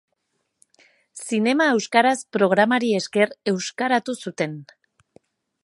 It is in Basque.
Zinema Euskaraz programari esker, euskaratu zuten.